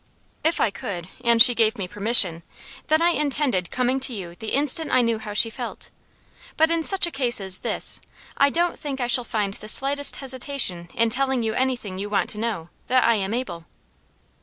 If I could, and she gave me permission, then I intended coming to you the instant I knew how she felt. But in such a case as this, I don't think I shall find the slightest hesitation in telling you anything you want to know, that I am able."